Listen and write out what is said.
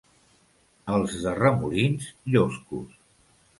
Els de Remolins, lloscos.